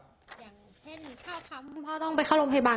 อย่างเช่นถ้าทำคุณพ่อต้องไปเข้าโรงพยาบาล